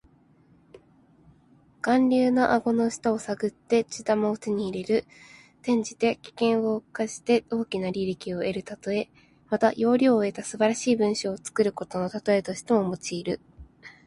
驪竜の顎の下を探って珠玉を手に入れる。転じて、危険を冒して大きな利益を得るたとえ。また、要領を得た素晴らしい文章を作ることのたとえとしても用いる。